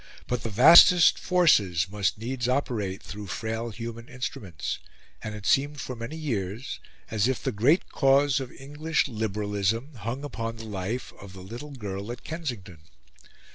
But the vastest forces must needs operate through frail human instruments; and it seemed for many years as if the great cause of English liberalism hung upon the life of the little girl at Kensington.